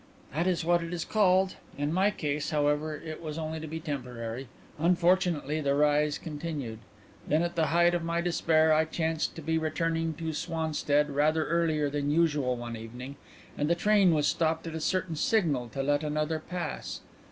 "That is what it is called. In my case, however, it was only to be temporary. Unfortunately, the rise continued. Then, at the height of my despair, I chanced to be returning to Swanstead rather earlier than usual one evening, and the train was stopped at a certain signal to let another pass.